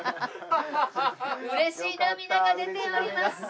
嬉し涙が出ております。